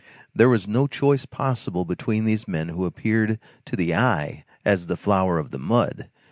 There was no choice possible between these men who appeared to the eye as the flower of the mud.